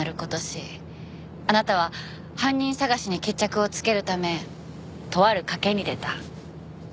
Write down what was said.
あなたは犯人捜しに決着をつけるためとある賭けに出た。